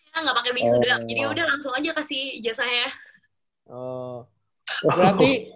aku kan gak pake bingkai sudut jadi udah langsung aja kasih ijazahnya